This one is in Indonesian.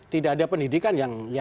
tidak ada pendidikan yang